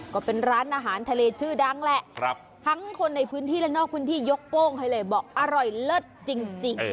ก็เป็นร้านอาหารทะเลชื่อดังแหละทั้งคนในพื้นที่และนอกพื้นที่ยกโป้งให้เลยบอกอร่อยเลิศจริง